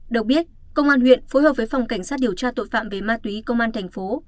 được biết công an huyện phối hợp với phòng cảnh sát điều tra tội phạm về ma túy công an thành phố